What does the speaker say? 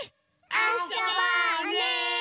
あそぼうね！